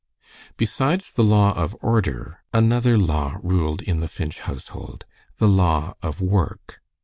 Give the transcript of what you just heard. Besides the law of order, another law ruled in the Finch household the law of work.